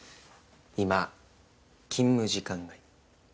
今勤務時間外。